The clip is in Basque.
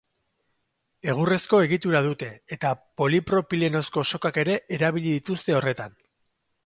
Egurrezko egitura dute, eta polipropilenozko sokak ere erabili dituzte horretan.